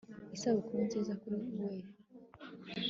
isabukuru nziza kuri wewe